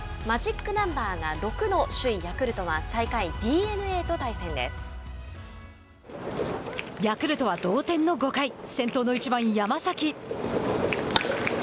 マジックナンバーが６の首位ヤクルトはヤクルトは同点の５回先頭の１番、山崎。